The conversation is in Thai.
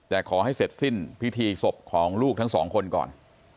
แต่ขอให้เสร็จสิ้นพิธีศพของลูกทั้งสองคนก่อน